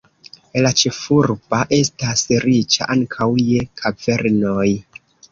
La ĉefurba estas riĉa ankaŭ je kavernoj.